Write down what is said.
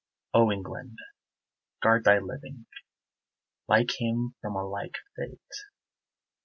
O England, guard thy living Like him from a like fate!